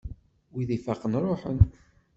Wid ifaqen ṛuḥen!